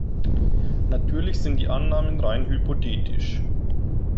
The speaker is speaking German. Natürlich sind die Annahmen rein hypothetisch.